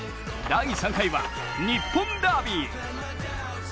第３回は、日本ダービー！